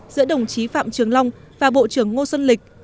giữa đồng chí phạm trường long và bộ trưởng ngô xuân lịch